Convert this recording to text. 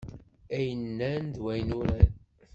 Ay nnan d wayen uran.